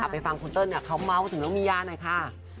ไปฟังคุณเติ้ลเขาเมาส์ถึงน้องมียาหน่อยค่ะ